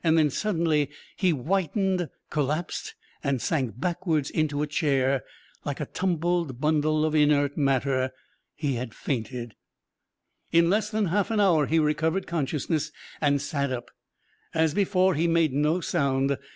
Then, suddenly, he whitened, collapsed, and sank backwards into a chair, like a tumbled bundle of inert matter. He had fainted. In less than half an hour he recovered consciousness and sat up. As before, he made no sound.